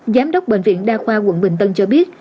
giám đốc bệnh viện đa khoa quận bình tân cho biết